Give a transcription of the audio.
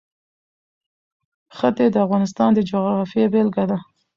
ښتې د افغانستان د جغرافیې بېلګه ده.